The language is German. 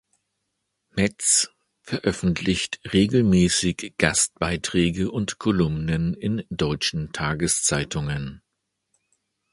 Metz veröffentlicht regelmäßig Gastbeiträge und Kolumnen in deutschen Tageszeitungen.